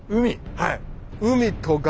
はい。